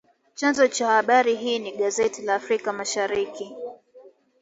Chanzo cha habari hii ni gazeti la Afrika Mashariki